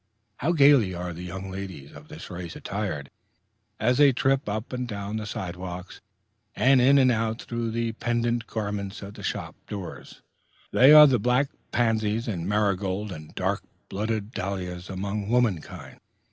How gayly are the young ladies of this race attired, as they trip up and down the side walks, and in and out through the pendent garments at the shop doors! They are the black pansies and marigolds and dark blooded dahlias among womankind.